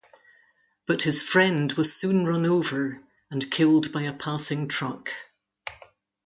But his friend was soon run over and killed by a passing truck.